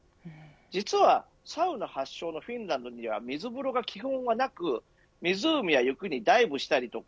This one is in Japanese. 実はサウナ発祥のフィンランドには水風呂が基本なく湖や雪にダイブしたりとか